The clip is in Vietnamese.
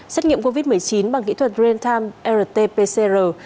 xét nghiệm covid một mươi chín bằng kỹ thuật real time rt pcr